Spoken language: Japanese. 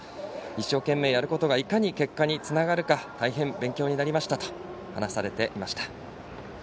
一生懸命やることがいかに結果につながるか大変、勉強になりましたと話されていました。